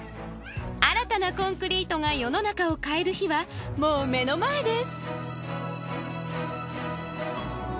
新たなコンクリートが世の中を変える日はもう目の前です！